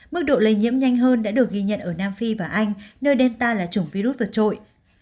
mức độ lây nhiễm nhanh hơn đã được ghi nhận ở nam phi và anh nơi delta là chủng virus vượt trội